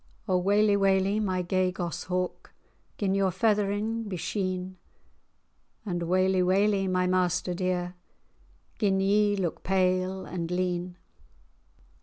"O waly, waly, my gay goss hawk, Gin your feathering be sheen!" "And waly, waly, my master dear, Gin ye look pale and lean!